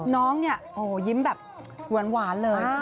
น้องนี่ยิ้มแบบหวานเลย